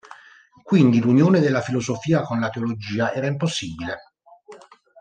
Quindi l'unione della filosofia con la teologia era impossibile.